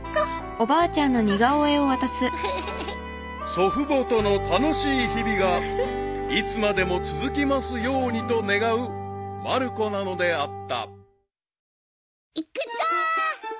［祖父母との楽しい日々がいつまでも続きますようにと願うまる子なのであった］